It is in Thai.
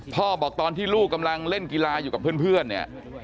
บอกตอนที่ลูกกำลังเล่นกีฬาอยู่กับเพื่อนเนี่ย